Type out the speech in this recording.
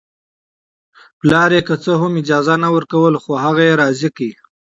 پلار یې که څه هم اجازه نه ورکوله خو هغه یې راضي کړ